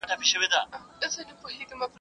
هغه هره ورځ ښار ته ځي.